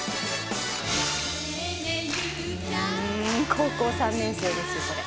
高校３年生ですこれ。